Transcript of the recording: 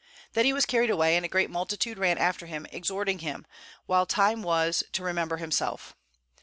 Then he was carried away, and a great multitude ran after him, exhorting him, while time was, to remember himself.